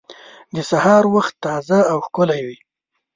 د سهار وخت تازه او ښکلی وي.